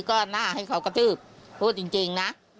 ก็น่าให้เขากระทืบพูดจริงนะ